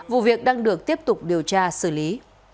vụ việc đang được tiếp tục điều tra xử lý